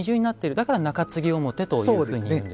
だから中継ぎ表というふうにいうんですね。